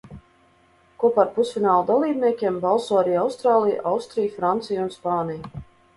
Kopā ar pusfināla dalībniekiem balso arī Austrālija, Austrija, Francija un Spānija.